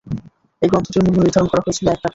এ গ্রন্থটির মূল্য নির্ধারণ করা হয়েছিল এক টাকা।